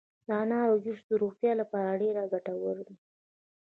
د انارو جوس د روغتیا لپاره ډیر ګټور دي.